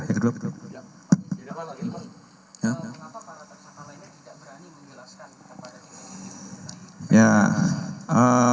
yang kedua kenapa para tersangka lainnya tidak berani menjelaskan kepada ps ini orangnya